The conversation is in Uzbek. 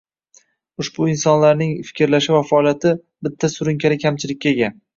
ushbu insonlarning fikrlashi va faoliyati - bitta surunkali kamchilikka ega.